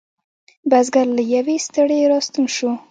بزگر له یویې ستړی را ستون شو.